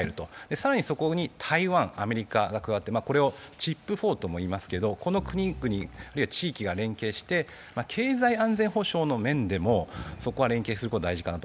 更にそこに台湾、アメリカが加わってこれをＣｈｉｐ４ともいいますけどこの国々あるいは地域が連携して経済安全保障、そこは連携することが大事かなと。